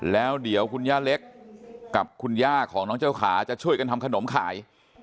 แล้วเดี๋ยวคุณย่าเล็กกับคุณย่าของน้องเจ้าขาจะช่วยกันทำขนมขาย